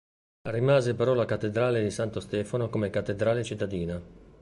Rimase però la Cattedrale di Santo Stefano come cattedrale cittadina.